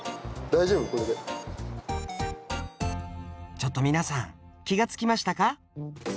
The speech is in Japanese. ちょっと皆さん気がつきましたか？